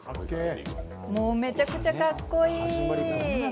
もうめちゃくちゃかっこいい。